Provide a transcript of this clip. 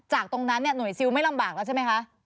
จากตรงนั้นเนี่ยหน่วยซิลไม่ลำบากแล้วใช่ไหมคะ